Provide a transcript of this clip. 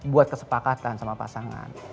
buat kesepakatan sama pasangan